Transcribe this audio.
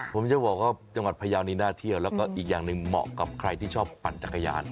ผมจะบอกว่าจังหวัดพยาวนี้น่าเที่ยวแล้วก็อีกอย่างหนึ่งเหมาะกับใครที่ชอบปั่นจักรยาน